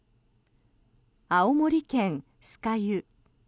青森県酸ケ湯。